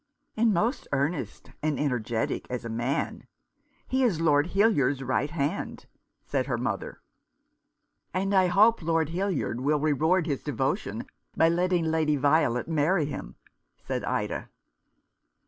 "And most earnest and energetic as a man. He is Lord Hildyard's right hand," said her mother. "And I hope Lord Hildyard will reward his devotion by letting Lady Violet marry him," said Ida.